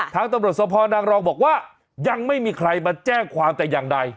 ตำรวจสภนางรองบอกว่ายังไม่มีใครมาแจ้งความแต่อย่างใด